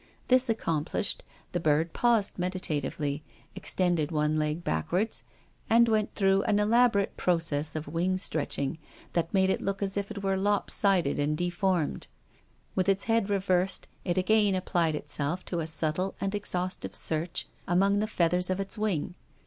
This accomplished, the bird paused meditatively, extended one leg back wards, and went through an elaborate process of wing stretching that made it look as if it were lopsided and deformed. With its head reversed, it again applied itself to a subtle and exhaustive search among the feathers of its wing.